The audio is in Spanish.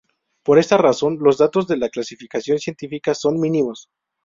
Por esta razón, los datos de la clasificación científica son mínimos.